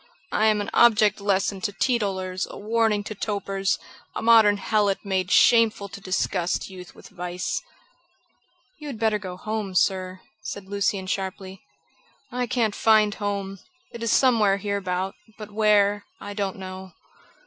"I am an object lesson to teetotalers; a warning to topers; a modern helot made shameful to disgust youth with vice." "You had better go home, sir," said Lucian sharply. "I can't find home. It is somewhere hereabout, but where, I don't know."